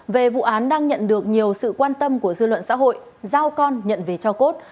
về vụ án đang nhận được nhiều sự quan tâm của dư luận xã hội giao con nhận về cho cốt